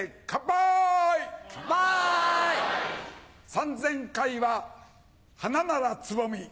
３０００回は花ならつぼみ。